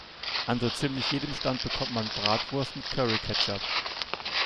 An so ziemlich jedem Stand bekommt man Bratwurst mit Curry-Ketchup.